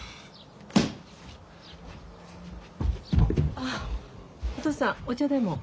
あお義父さんお茶でも。